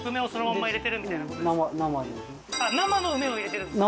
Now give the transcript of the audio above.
生の梅を入れてるんですか？